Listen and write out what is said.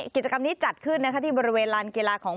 กิจกรรมนี้จัดขึ้นที่บริเวณลานกีฬาของ